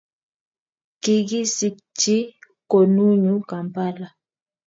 kikisikchi konunyu Kampala